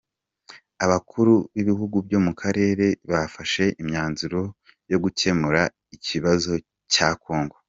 Abakuru b’ibihugu byo mu Karere bafashe imyanzuro yo gukemura ikibazo cya Kongo